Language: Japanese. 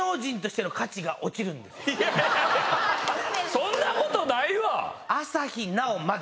そんなことないわ！